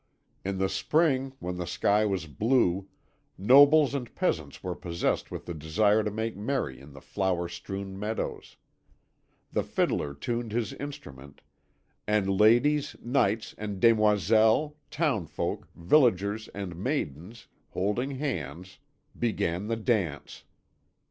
"In the spring when the sky was blue, nobles and peasants were possessed with the desire to make merry in the flower strewn meadows. The fiddler tuned his instrument, and ladies, knights and demoiselles, townsfolk, villagers and maidens, holding hands, began the dance.